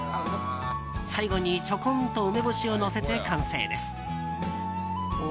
最後にちょこんと梅干しをのせて完成です。